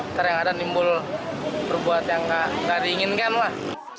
ntar yang ada nimbul berbuat yang gak diinginkan lah